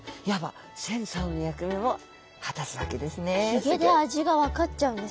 ヒゲで味が分かっちゃうんですね。